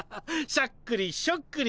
しゃっくりしょっくり。